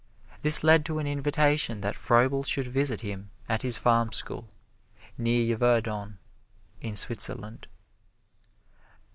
This led to an invitation that Froebel should visit him at his farm school, near Yverdon, in Switzerland.